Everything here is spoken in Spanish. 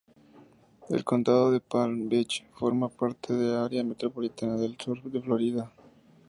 El condado de Palm Beach forma parte del Área Metropolitana del Sur de Florida.